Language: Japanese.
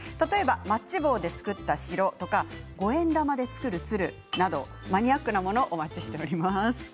マッチ棒で作った城とか五円玉で作る鶴などマニアックなものお待ちしています。